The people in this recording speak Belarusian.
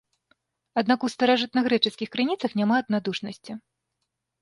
Аднак у старажытнагрэчаскіх крыніцах няма аднадушнасці.